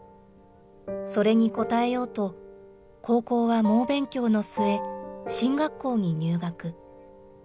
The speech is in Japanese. それに応えようと、高校は猛勉強の末、進学校に入学。